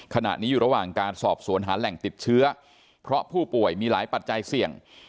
ขณะนี้อยู่ระหว่างการสอบสวนหาแหล่งติดเชื้อเพราะผู้ป่วยมีหลายปัจจัยเสี่ยง